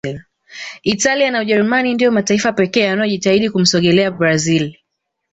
italia na Ujerumani ndiyo mataifa pekee yanayojitahidi kumsogelea brazil